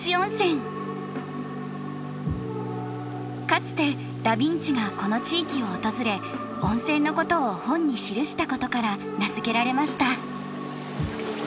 かつてダビンチがこの地域を訪れ温泉のことを本に記したことから名付けられました。